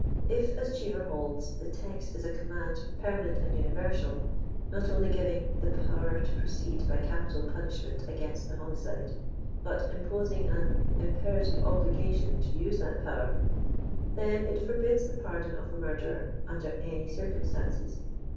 If, as Cheever holds, the te^t is a command permanent and universal, not only giving •* the power tt> proceed by capital punishment against the homicide," but imposing an *' im perative obligation to use that power," then it forbids the pardon of a murderer, uiider any circumstances.